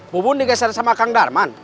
bubun digeser sama kang darman